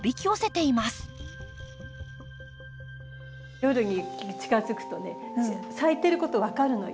夜に近づくとね咲いてること分かるのよ。